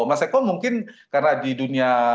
mas eko mungkin karena di dunia